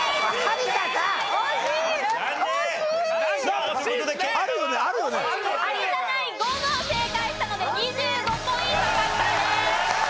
有田ナイン５問正解したので２５ポイント獲得です。